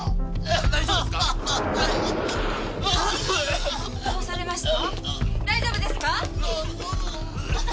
大丈夫ですか！？